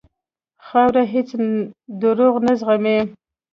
خاوره هېڅ دروغ نه زغمي.